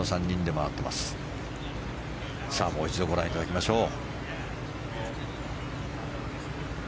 もう一度ご覧いただきましょう。